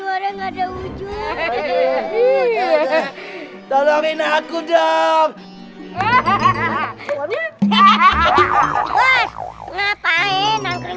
bos ngapain angkring gak terbun